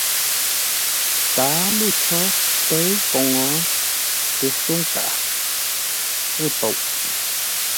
Tǎalo cǒ tə̌ʉ koŋə tə só nkaghʼə ə́ poʼ.